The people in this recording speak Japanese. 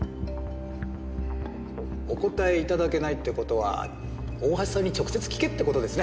お答え頂けないって事は大橋さんに直接聞けって事ですね。